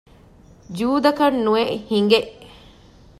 ޖޫދަކަށް ނުއެއް ހިނގެ